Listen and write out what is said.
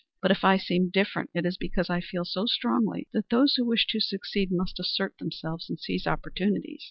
But, if I seem different, it is because I feel so strongly that those who wish to succeed must assert themselves and seize opportunities.